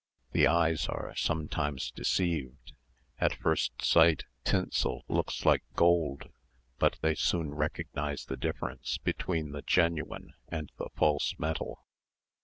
The eyes are sometimes deceived; at first sight tinsel looks like gold; but they soon recognise the difference between the genuine and the false metal.